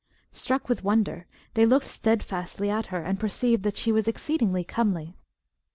Struck with wonder, they looked steadfastly at her, and perceived that she was exceedingly comely.